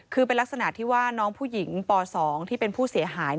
คือเป็นลักษณะที่ว่าน้องผู้หญิงป๒ที่เป็นผู้เสียหาย